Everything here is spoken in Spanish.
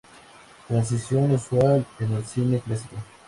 Transición usual en el cine clásico.